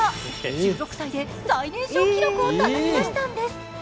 １６歳で最年少記録をたたき出したんです。